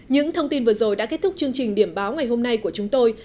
những thông tin vừa rồi đã kết thúc chương trình điểm báo ngày hôm nay của chúng tôi